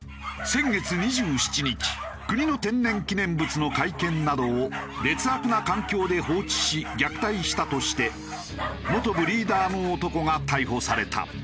先月２７日国の天然記念物の甲斐犬などを劣悪な環境で放置し虐待したとして元ブリーダーの男が逮捕された。